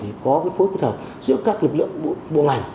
thì có cái phối kết hợp giữa các lực lượng bộ ngành